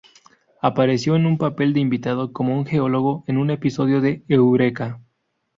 Apareció en un papel de invitado como un geólogo en un episodio de "Eureka".